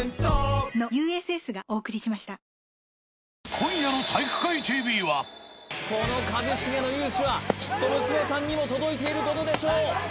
今夜の「体育会ＴＶ」はこの一茂の勇姿はきっと娘さんにも届いていることでしょう